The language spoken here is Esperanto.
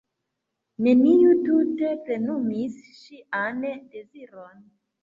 Neniu tute plenumis ŝian deziron.